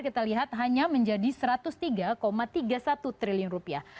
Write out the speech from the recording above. kita lihat hanya menjadi satu ratus tiga tiga puluh satu triliun rupiah